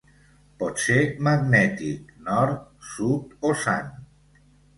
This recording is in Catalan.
Pot ser magnètic, nord, sud o sant.